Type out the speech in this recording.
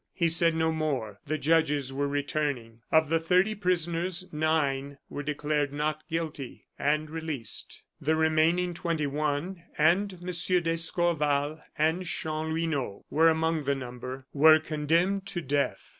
He said no more; the judges were returning. Of the thirty prisoners, nine were declared not guilty, and released. The remaining twenty one, and M. d'Escorval and Chanlouineau were among the number, were condemned to death.